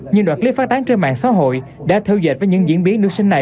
nhưng đoạn clip phát tán trên mạng xã hội đã theo dệt với những diễn biến nữ sinh này